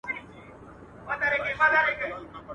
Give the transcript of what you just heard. مکرجن خلک دي ځوروي او بيا درباندي د تمساح اوښکي تويوي.